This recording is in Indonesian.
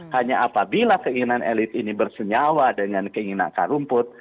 hanya apabila keinginan elit ini bersenyawa dengan keinginan akar rumput